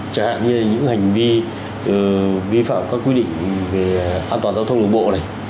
chả như là những hành vi vi phạm các quy định về an toàn giao thông đường bộ này